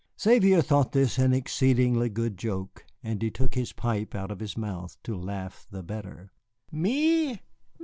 Xavier thought this an exceedingly good joke, and he took his pipe out of his mouth to laugh the better. "Me?